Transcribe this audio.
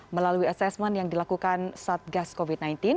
melalui asesmen yang dilakukan satgas covid sembilan belas